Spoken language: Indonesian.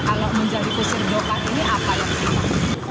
kalau menjadi kusir dokar ini apa yang susah